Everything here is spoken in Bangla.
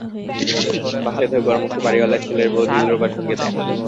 বাসায় ঢোকবার মুখে বাড়িয়ালার ছেলের বউ দিলরুবার সঙ্গে দেখা।